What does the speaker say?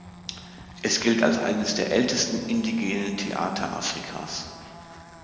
Es gilt als eines der ältesten indigenen Theater Afrikas.